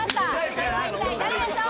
それは一体誰でしょう？